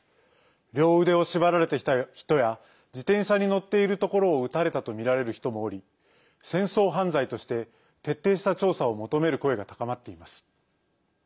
両腕を縛られた人や自転車に乗っているところを撃たれたとみられる人もおり戦争犯罪として徹底した調査を求める声が高まっています。